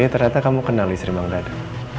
ya ya ternyata kamu kenal istri bang raden